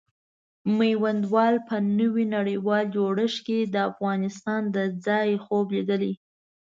میوندوال په نوي نړیوال جوړښت کې د افغانستان د ځای خوب لیدلی.